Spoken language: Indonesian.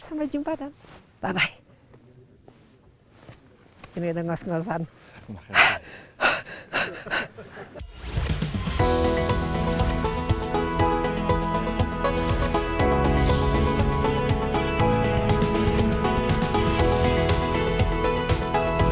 sampai jumpa dan bye bye